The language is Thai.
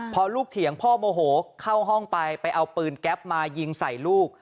พอลูกเถียงพ่อโมโหเข้าห้องไปไปเอาปืนแก๊ปมายิงใส่ลูก